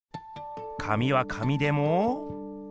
紙は紙でも。